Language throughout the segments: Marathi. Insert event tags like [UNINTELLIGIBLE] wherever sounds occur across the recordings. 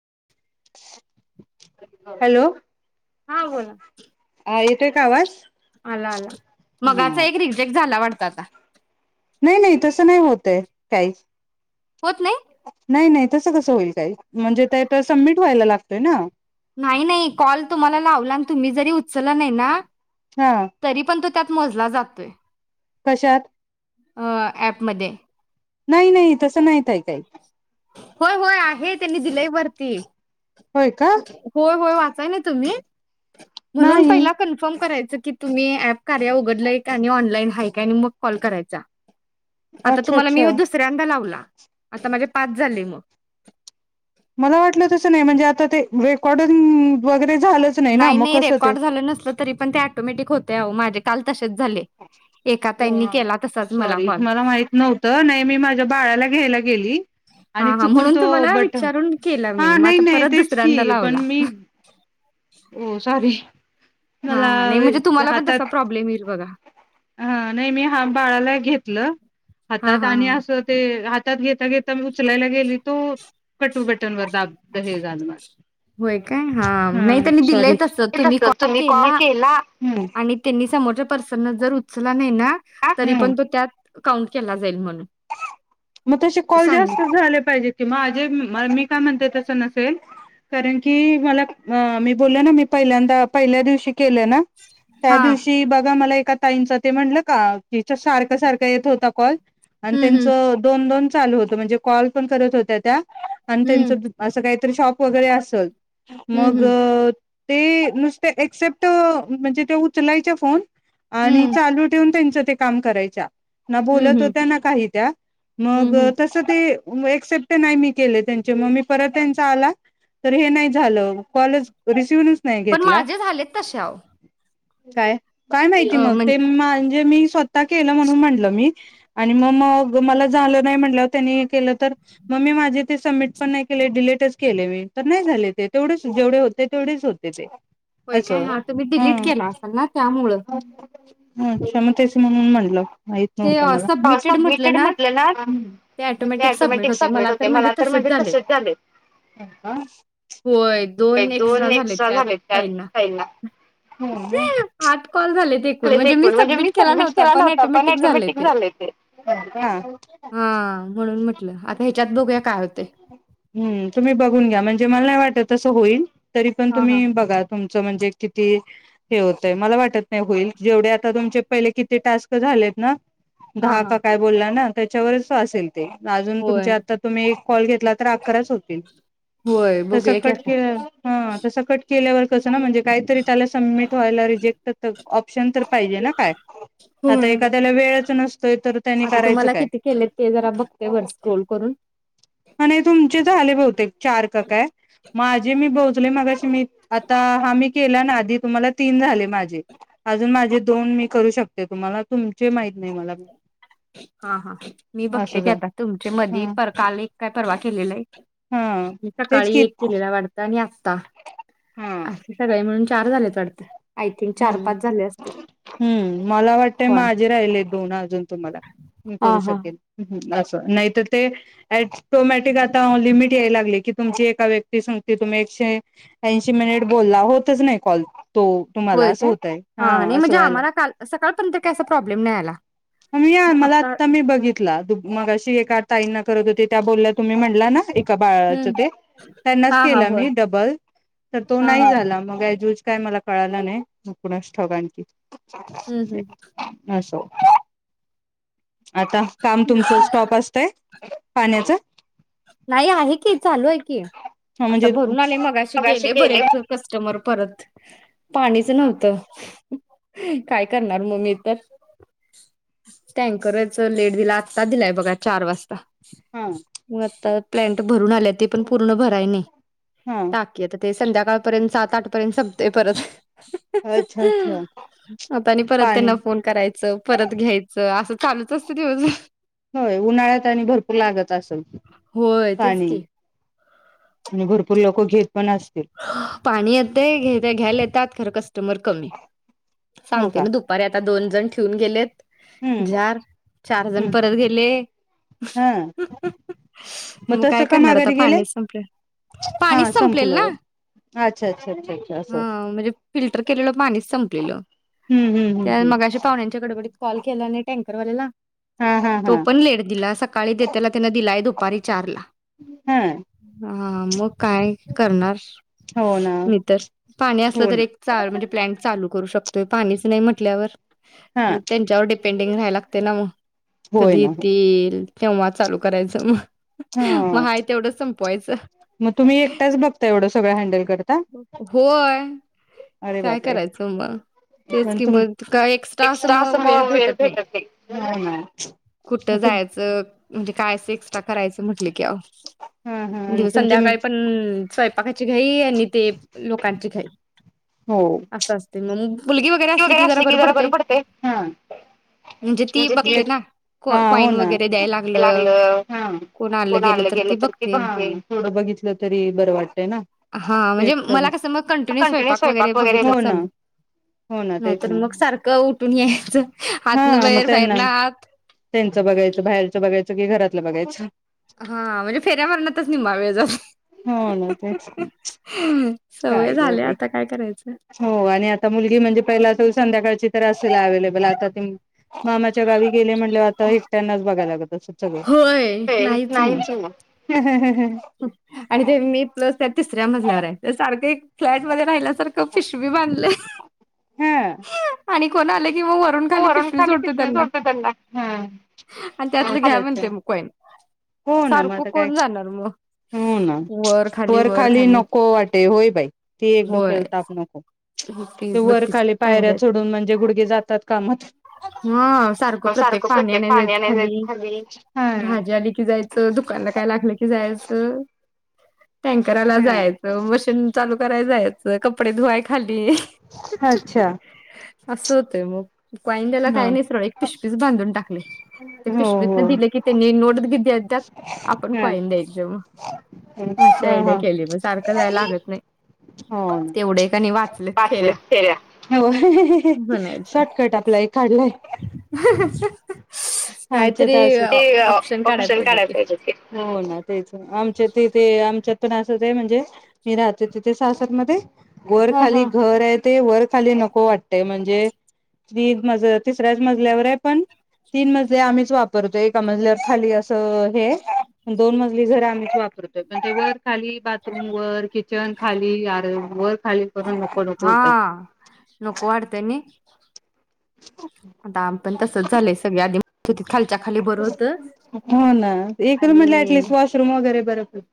[INAUDIBLE] हॅलो हा बोला हा येतोय का आवाज आला आला हा मगाचा एक रिजेक्ट झाला वाट आता नाही नाही तसं नाही होतंय काही होत नाही? नाही नाही तसं कसं होईल काय म्हणजे ते तर सबमिट व्हायला लागतंय ना. नाही नाही कॉल तुम्हाला लावला आणि तुम्ही जरी उचलला नाही ना हा तरी पण तू त्यात......., मोजला जातोय.... कशात? अ ऍपमध्ये... नाही नाही तसं नाहीत ताई काही... होय होय आहे त्यांनी दिलय वरती.... होय का होय होय जाय नाय तुम्ही? म्हणून नाही पहिला कन्फर्म कराय तेच की तुम्ही ॲप कार्या उघडलाय का आणि ऑनलाईन हाय काय आणि मग कॉल करायचा. आता अच्छा तुम्हाला मी अच्छा दुसऱ्यांदा लावला. आता माझे पाच झाले मग मला वाटलं तस नाही म्हणजे आता ते रेकॉर्डिंगआम् वगैरे....... झालंच ना नाही मग नाही कसं ते रेकॉर्ड झालं नसलं तरी पण ते ऑटोमॅटिक होत त्या ओ माझ्या काल तश वा तसाच सॉरी कॉल मला माहित नव्हत नाही मी माझ्या बाळाला घ्यायला गेली हा आणि हा चुकून म्हणून तो तुम्हाला बटन विचारून केलं मी हा मग नाही आता नाही परत तेच दुसऱ्यांदा की पण लावला... मी हो सॉरी मला हा नाही म्हणजे तुम्हाला पण हातात तसा प्रॉब्लेम येईल बघा... हा नाही मी हा बाळाला घेतलं... हां हातात हां आणि हां असं ते हातात घेता घेत तम उचलायला गेली..... तू बटन वर दाब. हे झालं माझं व्हय काय हा नाय त्यांनी दिलंय तसं तुम्ही कॉल केला आणि तेनी समोर पर्सन न जर उचला नही ना तरी हम्म पण तू त्यात.... काउंट केला जाईल म्हणून.... मग तसे कॉल सांगित जास्त झाले पाहिजे की माझे मी काय म्हणते तस नस कारण की मला मी बोल ना मी पहिल्यांदा पहिल्या दिवशी केलं ना त्या हां दिवशी बघा मला एका... ताईचं ते म्हणलं का तिच्या सारखं सारखं येत होता कॉल.... आणि हं हं त्यांचं दोन चालू होत म्हणजे कॉल पण करत होत्या त्या..... आणं त्येचं हं असं काय..... शॉप वगैर असल? हं मग हं ते नुसते एक्सेप्ट म्हणजे ते उचलायचे फोन आणि हं चालू ठेवून त्यांच ते काम करायच्या ना हं बोलत, हं होत्या ना काही त्या हं मग हं तस ते एक्सेप्ट नाही मी केले त्यांचे, म मी परत त्यांचा आला तर हे नाही झाल कॉलच रिसीव्ह पण, माझे झालेत तसे आहो. काय? काय माहिती मग, ते म्हाणजे मी स्वतः केल म्हणून म्हनल मी आणि म मग मला झाल नाही, म्हटल्यावर त्यांनी केलं तर मग मी माझे ते सबमिट पण नाही केले डिलीटच केले मी तर नाही झाले, ते तेवढेच जेवढे होते तेवढेच होते ते. होय स काय? हां तुम्ही डिलीट हम केला असाल ना त्यामुळं. हम क्षमतेच म्हणून म्हणलं. माहित ते नव्हत मला, सबमिटेड पावसात म्हटलं मीटेड ना म्हट ते ऑटोमॅटिक सबमिट होते मला तर म्हणजे तसेच झालेत. होय, दोन एक्स्ट्रा त्याच झालेत त्या ताईंना. ताईना कॉल झालेत एकूण म्हणजे मी सबमिट केला नव्हता पण झाले ते. हा म्हणून, म्हटलं आता ह्याच्यात बघूया काय होतय. हम्म तुम्ही बघून घ्या म्हणजे मला, नाही वाटत तसं होईल तरी, पण हां, तुम्ही हां, बघा तुमं म्हणजे किती, हे होतय मला वाटत नाही होईल. जेवढे आता तुमचे पहिले किती टास्क झालेत ना. हां, दहा हां. का काय! त्याच्यावरच असेल अजून होय, तुमच्या आता तुम्ही कॉल घेतला तर अकराच होतील होय तसा, बघूया की कट आता. केला ह! तसं कट केल्यावर कसं, ना म्हणजे काहीतरी त्याला सम्मीट व्हायला रिजेक्ट त ऑप्शन पाहिजे ना काय, होय. आता एखाद्याला वेळच नसतोय तर? आता करायचं तुम्हाला काय? किती केलेत ते जरा बघते वर स्क्रोल करून आणि तुमचे झाले बहुतेक चार का काय? माझे मी पोहोचले मगाशी मी आता हा मी केलाय ना आधी तुम्हाला तीन झाले माझे आजून माझे दोन मी करू शकते तुम्हाला तुमचे माहित नाही मला हां हां मी बघतेय असं की झा आता तुमचे मधी हा तर काल एक काय परवा केलेलंय? हा म तेच सकाळी की एक केलेला वाटत आणि अस् आता असे सगळे मिळून चार झाल्यात वाटत. हुम्म हुम्म मला वाटय कॉल. माझे राहिलेत दोन अजून तुम्हाला, मी हा करू हा शकेन हुम् बास नाही तर ते ॲटोमॅटिक आता ऑ लिमिट याय लागलय की तुमची एका व्यक्ती संगती तुम्ही एकशे ऐंशी मिनिट बोलला होतच नाही कॉल तो तुम्हाला होय असं काय होतय हां हा नाही असं म्हणजे व्हायला आम्हाला काल् सकाळपर्यंत काय असा प्रॉब्लेम नाय आला. मी या आम्हांला आता मी बघितलाय दुप् मग अशी एका ताईंना करत होती त्या बोल्या तुम्ही म्हण् मुलांनां एका बाळाचं हम्म ते त्यांनांच हा हा केला होय मी डबल तर तो हा हा नाय झाला मग अँज युज काय मला कळालं नाही मग कुणास ठाऊक आणखी? हम्म हम्म असो आता काम तुमचं स्टॉप असतंय. पाण्याचा? नाही आहे की चालू हाय की आता म्हणजे भरून आलेय मगाशी गेले बरेच कस्टमर परत ह् पाणीच नव्हतं. काय करणार म् मी तर टँकरच लेट दिला आता दिलाय बगा चार वाजता हं मग आता प्लॅन्ट ब् भरून आलीया ती पण पूर्ण भराय नाही हा टाकी आता ते संध्याकाळपर्यंत सात आठपर्यंत संपतय परत अच्छा अच्छा आता आणि परत पाणी त्यांना फोन करायचं, परत घ्यायचं असंच चालूच असतं दिवसभर होय तेच पानी की आणि भरपूर लोकं घेत पण असतील. पाणी येतंय घेत् घ्यायला येतात खरं कसं टय़ुमर कमी हो सांगतेय का नव्ह दुपारी आता दोन जण ठेवून गेलेत. हम्म जार चार जण हम्म परत गेले. हा मग तसं काय का करणार आता माघारी गेले पाणीच संपलं पाणीच हा संपलेल ना. संपलं अच्छा अच्छा अच्छा अच्छा हा अस. म्हणजे फिल्टर केलेलं पाणीच संपलेलं. हं हं हं त्या हं मगाशी पाहुण्यांच्या गडबडीत कॉल केेला नाही टँकर वालेला हा तो हा पण लेट दिला सकाळी देताना तिला दिलाय दुपारी चार ला हा हा म काय करणार हो ना नाही तरर पाणी असलं हो तर ना एक चा म्हणजे प्लांट चालू करू श तो पाणीच नही म्हटल्यावर हा त्यांच्यावर डिपेंडिंग राहायला लागते ना मग होय कधी ना हो येतील तेव्हा चालू करायचं म. हा मग हाय तेवढं संप पोहायचं मग तुम्ही एकट्याच बघता एवढं सगळं हँडल करत होय अरे काय बापरे करायचं मग तेच पण की तुम मग काय एक्स्ट्रा असं मग वेळ भेटत नही कुठं तुम जायचं [INAUDIBLE] काय असं एक्स्ट्रा करायचं म्हटले की ह्यावं हा हा आणि किंवा तुमचे संध्याकाळी पण स्वयंपाकाची घ्याई आणि ते लोकांची घाई असं असत मग मुलगी वगैरे पोरगी की असली कि बरं जरा बर पडतंय पडतय हा म्हणजे ती बघते ना को हो कॉईन ना वगैरे द्यायला लागलं अ कोण आलं गेलं तर ती बघती तेवढं बघितलं तरी बरं वाटतय ना हा म्हणजे एकटं मला कसं मग कंटिन्यू स्वयंपाक स्वयंपा पाक वगैरे बघितलं हो ना चाललं तेच नाहीतर ना मग सारखं उठून यायचं आतनं हा मग बाहेर बाहेर त्यांना ना आत त्यांचं बघायचं, बाहेरचं बघायचं की घरातलं बघायचं. हा म्हणजे फेऱ्या मारण्यातच निंम्मा वेळ जातो हो ना तेच की. काय सवय गं झाल्या बइ ग आता काय करायचं हो आणि आता मुलगी म्हणजे पहिला संध्याकाळची तर असेल अवेलेबल आता त मामाच्या गावी गेले म्हणल्यावर आता एकट्यांनाच बघायला लागत असंल सगळं होय नाहीच मग नाहीच [UNINTELLIGIBLE] [UNINTELLIGIBLE] आणि ते मी प्लस त्या तिसऱ्या मजल्यावर आहे ते सात आणि ते एक फ्लॅट मध्ये राहिल्यासारखं पीशवी बांधलंय हा आणि कोण आले मी व-वरून खाली पिशवी सोडते त्यांना आणि त्यातलं अच्छा घ्या अच्छा म्हणते मग कॉईन हो ना म सारखं आता काय कोण जाणार मग हो ना वर खाली वर वरखाली खाली नको वाटे होय बाई ती एक होय डोक्याला ताप नको ते तीस बत्तीस वरखाली पायऱ्या चढुन म्हणजे गुडघे जातात कामात ह सारखं प्रत्येक पाण्याने जायचं खाली भाजी आ एकी जायचं दुखायला काय लागलं की जायचं टँकराला हा जायचं मशीन चालू करा जायच कपडे धुवाय खाली अच्छा असं होतय मग कॉईन द्यायला काय ह नाही सरळ एक पिशवीच बांधून टाकली ते हो पिशवीत पण हो दिले की त्यांनी नोट दी द्या द्यात आपण हा कॉईन देत जाऊ मग अशी हा हा आयडिया केली मग सारखं जाया लागत नाही हो तेवढे एक आणि वाचलेत फेऱ्या पाचलेच हो म्हणायचं शॉर्टकट आपला ए काढले [INAUDIBLE] आमच्या काहीतरी इथं आस ते ऑप्शन काढाय ऑ-ऑप्शन काढायला की पाहिजे होते हो ना तेच ना आमच्या इथे ते आमच्यात पण अस ते म्हणजे मी राहते तिथे सासर मध्ये वर ह खाली ह घर आहे ते वर खाली नको वाटतय म्हणजे ती मज तिसऱ्याच मजल्यावर आहे पण तीन मजले आम्हीच वापरतोय एका मजल्यावर खाली असं हेये दोन मजली घर आम्हीच वापरतोय पण ते वर खाली बाथरूम वर किचन खाली [INAUDIBLE] वर खाली करून नको नको हा होतय. नको वाटतय नाही [INAUDIBLE] आता आम पण तसच झालंय सगळे आधी [INAUDIBLE] बरं होतं [UNINTELLIGIBLE] हो ना एक रुम म्हटलं ऍटलिस्ट वॉशरूम वगैरे बरोब [UNINTELLIGIBLE]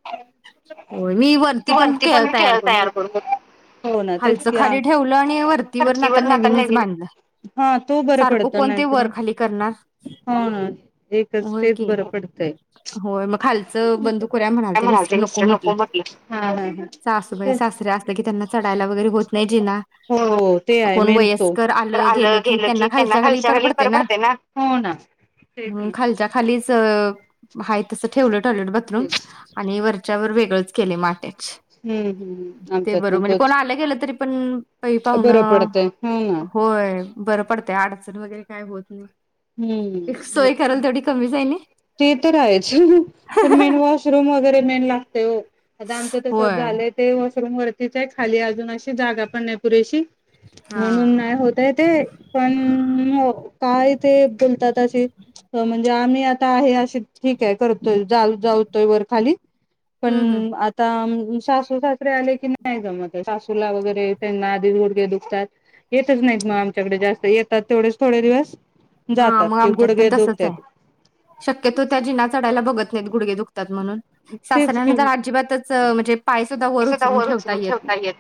व्हय मी वरती पण [UNINTELLIGIBLE] तयार खेळ करून घेतल करू शकतो. हो ना तेच खालचं की आ खाली ठेवलं आणि वरती वर आता फरशीवर ना नवीनच नवीन बांधलं हा तो बरं सारखं पडतो कोण नाही ते तर वर खाली करणार? हो ना एकच होय तेच की बरं पडतंय. होय मग खालचं बंदूकवऱ्या म्हणाल काय ते मिस्टर म्हणालते नको, म्हटलं हा हा हा सासूबाई ते सासऱ्या असतं की त्यांना चढायला वगैरे होत नाही जिना हो ते आहे मेन तो तर आलं गेलं की त्यांना खालच्या खाली पर पडते ना हो ना. तेच हम ना खालच्या खाली ते सगळं आहे तसं ठेवलं टॉयलेट बाथरूम तेच आणि वर त्याच्यावर वेगळेंच केले माटे हम्म हम् आमच्यात पण तो कोण आले गेले तरी पण पही-पाहुणा पडतंय हो ना होय बरं पडत अडचण वगैरे काय होत नाही हम्म सोय कराल तेवढी कमी जाईल नाही. ते तर आहेच पण मेन वॉशरूम वगैरे मेन लागते ओ आता आमचं तस होय झालंय ते- पस रूम वरतीच आहे खाली अजून अशी जागा पण नाही पुरेशी हा म्हणून नाही होतय ते पण ओ काय ते बोलतात तशे अ म्हणजे ते आम्ही आता आहे असे ठीक आहे करतोय जा जाऊतोय वर खाली पण हम्म हम्म आता अम सासू सासरे आले की नाही जमत आहे सासूला वगैरे त्यांना आधी गुडगे दुखतात येतच नाहीत मग आमच्याकडे जास्त येतात तेवढेच थोडे दिवस हा जातात मग की आमच्यात पण गुडघे तसच आहे, दुखतात शक्यतो त्या जिना चढायला बघत नाहीत गुडगे दुखतात म्हणून तेच की शासनान तर अजिबातच अ म्हणजे ते सदा वर उचलून ठेवता येत,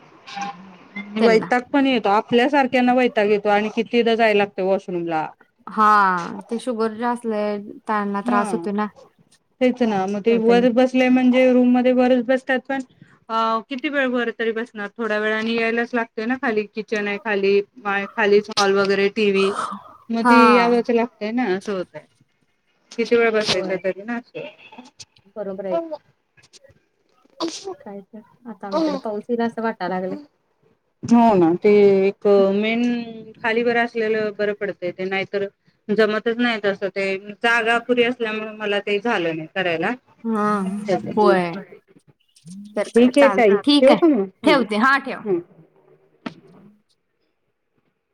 त्यांना. वैताग पण येतो आपल्या सारख्याना वैताग येतो आणि किती तिथं जाय लागतय वॉशरूम ला. हा ते शुगर जास्त असले त्यांना हा त्रास होतो ना तेच ना मग ते त्याने वर बसले म्हणजे रूम मध्ये वरच बस त्यात पण आव किती वेळ वर तरी बस थोड्या वेळाने यायलाच लागतय ना खाली. किचन आहे खाली पाय खालीच हॉल वगैरे टी व्ही म ते हा. यावच लागतय ना. चोवते किती वेळ बसायचा होय तरी ना असं बरोबर आहे काय तर आता आमच्याकडे पाऊस येला असं वाटायला लागले हो ना ते एक मेन खाली बरं असलेलं बरं पडतय ते नाहीतर जमतच नाही तसं ते जागा पुरी असल्यामुळे मला ते झालं नाही करायला हा होय तर काय ठीक आहे तई, चालतंय ठीक ठेव का मग हम हम्म